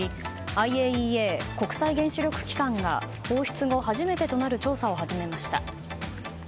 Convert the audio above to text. ＩＡＥＡ・国際原子力機関が放出後初めてとなる調査を始めました。